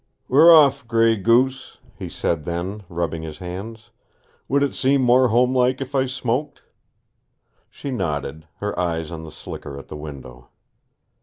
"We're off, Gray Goose," he said then, rubbing his hands. "Would it seem more homelike if I smoked?" She nodded, her eyes on the slicker at the window.